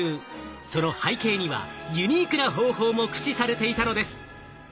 その背景にはユニークな方法も駆使されていたのです。